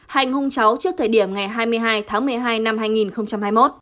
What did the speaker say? hành hung cháu trước thời điểm ngày hai mươi hai tháng một mươi hai năm hai nghìn hai mươi một